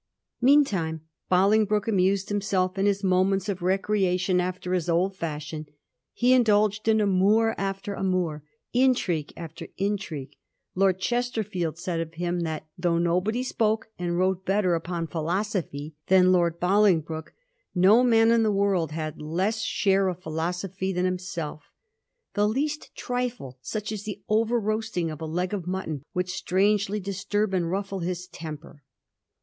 Meantime, Bolingbroke amused him self in his moments of recreation after his old fashion. He indulged in amour after amour, intrigue after intrigue. Lord Chesterfield said of him, that ' though nobody spoke and wrote better upon philosophy than Lord Bolingbroke, no man in the world had less share of philosophy than himself. The least trifle, such as the over roasting of a leg of mutton, would strangely disturb and ruffle his temper.'